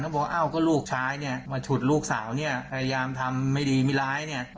บอกเอ้าก็ลูกชายเนี่ยมาฉุดลูกสาวเนี่ยพยายามทำไม่ดีไม่ร้ายเนี่ย